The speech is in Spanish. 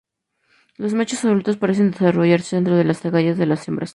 Los machos adultos parecen desarrollarse dentro de las agallas de las hembras.